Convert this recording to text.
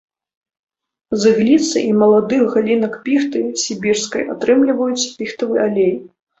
З ігліцы і маладых галінак піхты сібірскай атрымліваюць піхтавы алей.